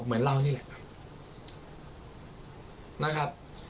เหมือนเรานี้แหละ